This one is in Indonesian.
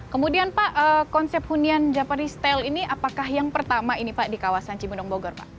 kemudian pak konsep hunian japay stel ini apakah yang pertama ini pak di kawasan cibenong bogor pak